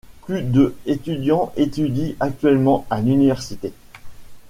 Plus de étudiants étudient actuellement à l'université.